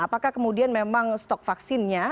apakah kemudian memang stok vaksinnya